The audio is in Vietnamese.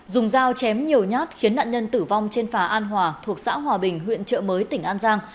dùng dao chém nhiều nhát khiến nạn nhân tử vong trên phà an hòa thuộc xã hòa bình huyện trợ mới tỉnh an giang